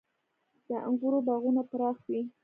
• د انګورو باغونه پراخ وي.